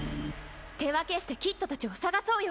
手分けしてキッドたちを捜そうよ。